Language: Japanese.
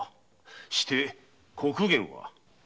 して刻限は？